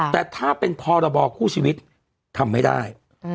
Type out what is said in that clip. แต่ถ้าเป็นพรบคู่ชีวิตทำไม่ได้